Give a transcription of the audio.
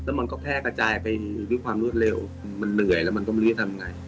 มันก็แพร่กระจายไปด้วยความรวดเร็วมันเหนื่อยแล้วมันก็ไม่รู้จะทำไง